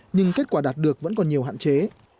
nhưng kết quả đạt được vẫn còn nhiều hạn chế